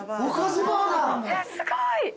すごい。